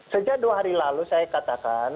sejak dua hari lalu saya katakan